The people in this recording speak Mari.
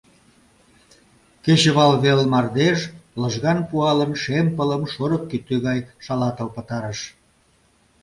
Кечывалвел мардеж, лыжган пуалын, шем пылым шорык кӱтӱ гай шалатыл пытарыш.